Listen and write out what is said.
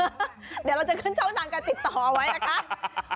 เดี๋ยวเราจะขึ้นช่องทางการติดต่อเอาไว้นะคะ